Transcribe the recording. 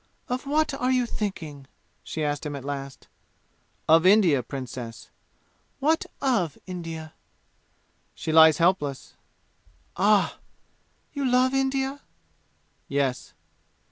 "Of what are you thinking?" she asked him at last. "Of India, Princess." "What of India?" "She lies helpless." "Ah! You love India?" "Yes."